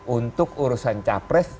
untuk urusan capres